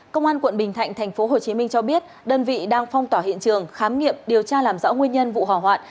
công an quận bình thạnh tp hcm cho biết đơn vị đang phong tỏa hiện trường khám nghiệm điều tra làm rõ nguyên nhân vụ hỏa hoạn